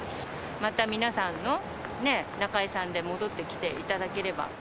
また皆さんのね、仲居さんで戻ってきていただければ。